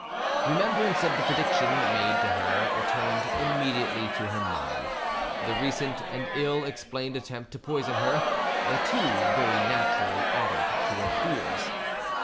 Remembrance of the prediction made to her returned immediately to her mind. The recent and ill explained attempt to poison her, too, very naturally added to her fears.